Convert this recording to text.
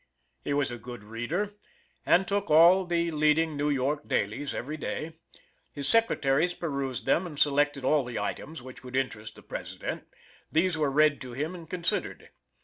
He was a good reader, and took all the leading NEW YORK dailies every day. His secretaries perused them and selected all the items which would interest the President; these were read to him and considered.